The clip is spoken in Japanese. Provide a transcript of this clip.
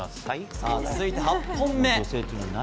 続いて８本目。